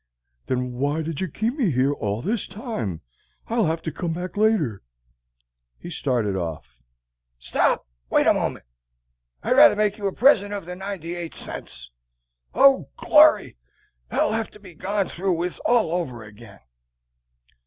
"Then why did you keep me here all this time? I'll have to come back later." He started off. "Stop! Wait a moment! I'd rather make you a present of the ninety eight cents. Oh, glory! that'll have to be gone through with all over again!"